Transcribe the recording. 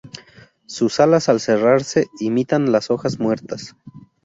Sus alas al cerrarse imitan las hojas muertas.